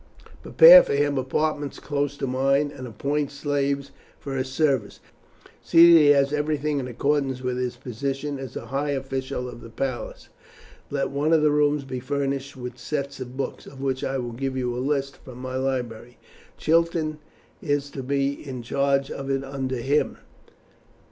Prepare for him apartments close to mine, and appoint slaves for his service. See that he has everything in accordance with his position as a high official of the palace. Let one of the rooms be furnished with sets of books, of which I will give you a list, from my library. Chiton is to be in charge of it under him.